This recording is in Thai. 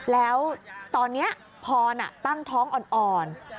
แล้วตอนนี้พรตั้งท้องอ่อน